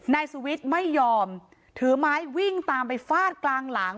นายสุวิทย์ไม่ยอมถือไม้วิ่งตามไปฟาดกลางหลัง